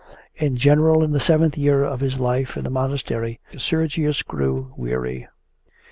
In general in the seventh year of his life in the monastery Sergius grew weary.